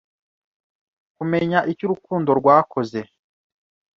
Kumenya icyo urukundo rwakoze